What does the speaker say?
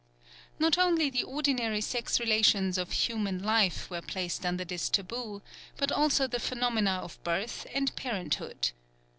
Not only the ordinary sex relations of human life were placed under this taboo, but also the phenomena of birth and parenthood.